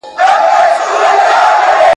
هغه زه یم چي په ټال کي پیغمبر مي زنګولی `